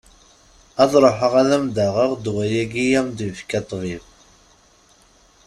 Ad ruḥeɣ ad am-d-aɣeɣ ddwa-agi i ak-d-yefka ṭṭbib.